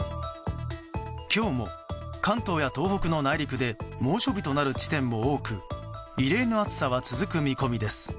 今日も関東や東北の内陸で猛暑日となる地点も多く異例の暑さは続く見込みです。